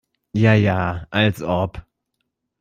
Ja ja, als ob!